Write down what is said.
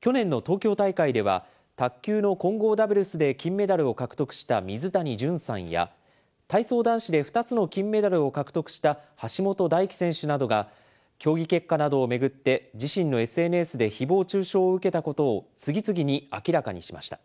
去年の東京大会では、卓球の混合ダブルスで金メダルを獲得した水谷隼さんや、体操男子で２つの金メダルを獲得した、橋本大輝選手などが競技結果などを巡って、自身のＳＮＳでひぼう中傷を受けたことを次々に明らかにしました。